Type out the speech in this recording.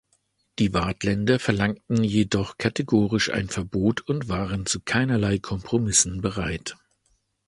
Die Waadtländer verlangten jedoch kategorisch ein Verbot und waren zu keinerlei Kompromissen bereit.